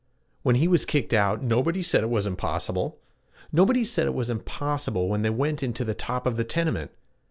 When he was kicked out, nobody said it was impossible! Nobody said it was impossible when they went into the top of a tenement!